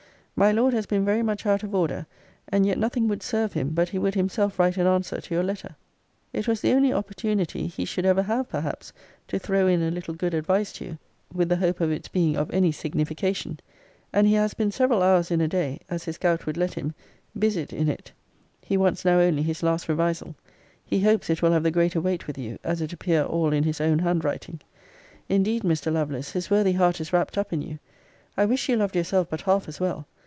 My Lord has been very much out of order: and yet nothing would serve him, but he would himself write an answer to your letter. It was the only opportunity he should ever have, perhaps, to throw in a little good advice to you, with the hope of its being of any signification; and he has been several hours in a day, as his gout would let him, busied in it. It wants now only his last revisal. He hopes it will have the greater weight with you, as it appear all in his own hand writing. Indeed, Mr. Lovelace, his worthy heart is wrapt up in you. I wish you loved yourself but half as well.